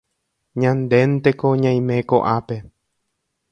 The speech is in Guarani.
Ñandénteko ñaime ko'ápe